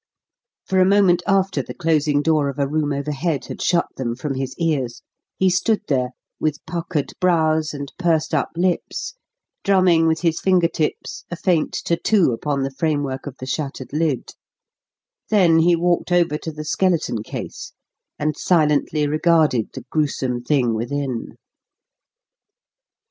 For a moment after the closing door of a room overhead had shut them from his ears, he stood there, with puckered brows and pursed up lips, drumming with his finger tips a faint tattoo upon the framework of the shattered lid; then he walked over to the skeleton case, and silently regarded the gruesome thing within.